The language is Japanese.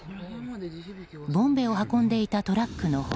ボンベを運んでいたトラックの他